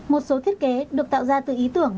một số thiết kế được tạo ra từ ý tưởng